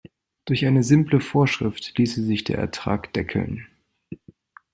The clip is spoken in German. Durch eine simple Vorschrift ließe sich der Ertrag deckeln.